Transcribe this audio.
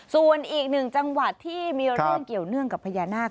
ส่วนอีกหนึ่งจังหวัดที่มีเรื่องเกี่ยวเนื่องกับพญานาค